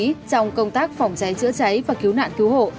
trong công tác phòng cháy chữa cháy và cứu nạn cứu hộ